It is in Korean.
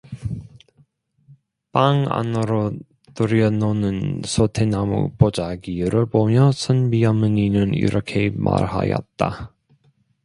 방 안으로 들여놓는 소태나무 보자기를 보며 선비 어머니는 이렇게 말하였다.